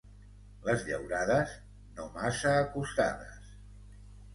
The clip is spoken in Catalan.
Les llaurades, no massa acostades.